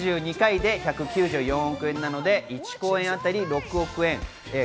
全３２回で１９４億円なので、１公演あたり６億円。